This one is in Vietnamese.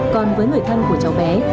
còn với người thân của cháu bé